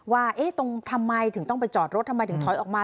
ว่าตรงทำไมถึงต้องไปจอดรถทำไมถึงถอยออกมา